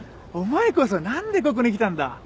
お前こそ何でここに来たんだ？